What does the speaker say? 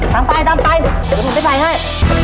ตามไปตามไปเดี๋ยวผมไปใส่ให้